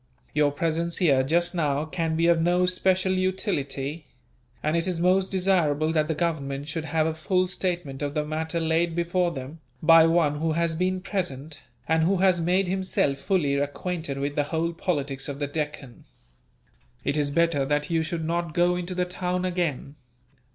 Your presence here, just now, can be of no special utility; and it is most desirable that the Government should have a full statement of the matter laid before them, by one who has been present, and who has made himself fully acquainted with the whole politics of the Deccan. "It is better that you should not go into the town again.